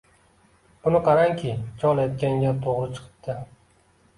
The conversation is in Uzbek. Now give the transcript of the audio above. Buni qarangki, chol aytgan gap to‘g‘ri chiqibdi.